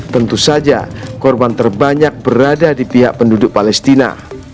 tentu saja korban terbanyak berada di pihak penduduk palestina